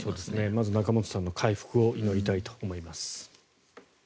まず仲本さんの回復を祈りたいと思います。